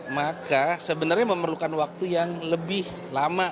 maka sebenarnya memerlukan waktu yang lebih lama